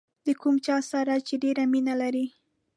د کوم چا سره چې ډېره مینه لرئ.